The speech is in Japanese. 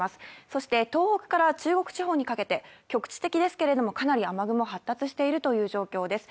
そして東北から中国地方にかけて局地的ですけれども、かなり雨雲、発達しているという状況です。